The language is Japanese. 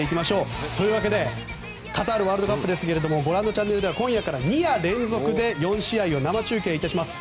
というわけでカタールワールドカップですがご覧のチャンネルでは今夜から２夜連続で４試合を生中継いたします。